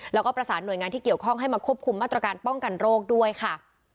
แล้วก็ประสานหน่วยงานที่เกี่ยวข้องให้มาควบคุมมาตรการป้องกันโรคด้วยค่ะ